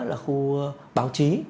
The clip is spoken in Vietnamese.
là khu báo chí